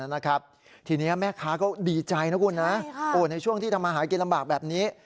ในที่นี้แม่คะก็ดีใจในช่วงที่ทำอาหารกินลำบากแบบนี้